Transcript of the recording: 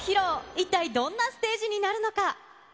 一体どんなステージになるのか。